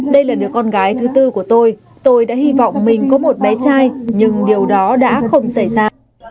đây là đứa con gái thứ tư của tôi tôi đã hy vọng mình có một bé trai nhưng điều đó đã không xảy ra